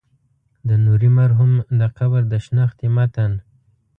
د نوري مرحوم د قبر د شنختې متن.